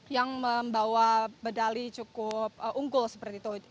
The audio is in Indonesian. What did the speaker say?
yang membawa medali cukup unggul seperti itu